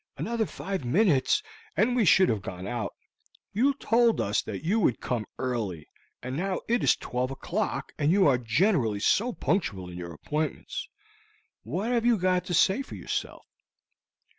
"Another five minutes, and we should have gone out. You told us that you would come early, and now it is twelve o'clock; and you are generally so punctual in your appointments. What have you got to say for yourself?"